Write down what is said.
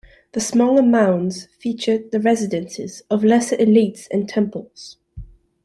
The smaller mounds featured the residences of the lesser elites and temples.